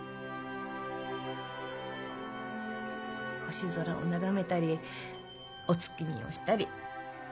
星空を眺めたりお月見をしたり。